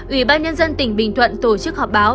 ủy ban nhân dân tỉnh bình thuận tổ chức họp báo